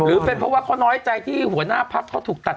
หรือเป็นเพราะว่าเขาน้อยใจที่หัวหน้าพักเขาถูกตัด